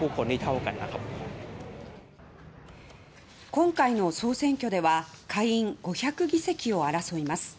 今回の総選挙では下院５００議席を争います。